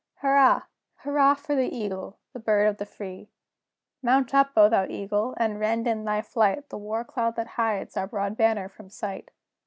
Hurrah! Hurrah for the Eagle, the Bird of the Free! Mount up, O thou Eagle! and rend, in thy flight, The war cloud that hides our broad banner from sight!